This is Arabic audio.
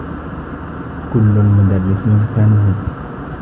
كلّ المدرّسين كانوا هنا.